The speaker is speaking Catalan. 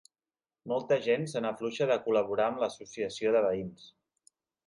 Molta gent se n'afluixa de col·laborar amb l'associació de veïns.